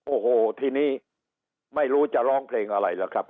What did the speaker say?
โอ้โหทีนี้ไม่รู้จะร้องเพลงอะไรล่ะครับ